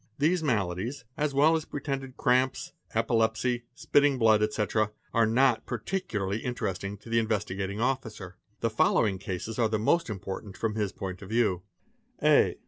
These maladies, as well as pretended cramps, epilepsy, spitting blood, etc., are not particularly interesting to the Investigating Officer. The following cases are the most important from his point of view. A.